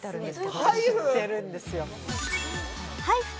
僕知ってるんですよ